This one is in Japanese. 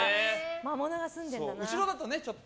魔物がすんでるんだな。